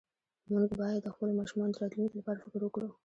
مونږ باید د خپلو ماشومانو د راتلونکي لپاره فکر وکړو